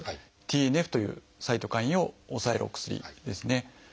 ＴＮＦというサイトカインを抑えるお薬ですね。